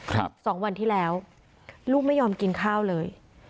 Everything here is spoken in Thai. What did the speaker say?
สองวันที่แล้วลูกไม่ยอมกินข้าวเลย